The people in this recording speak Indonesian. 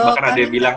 bahkan ada yang bilang